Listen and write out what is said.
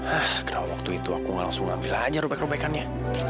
ah kenapa waktu itu aku gak langsung ambil aja rupek rupekannya